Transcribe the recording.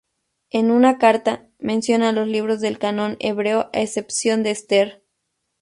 En una carta, menciona los libros del canon hebreo a excepción de Ester.